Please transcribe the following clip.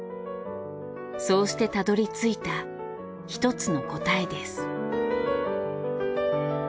そうしてたどり着いた１つの答えです。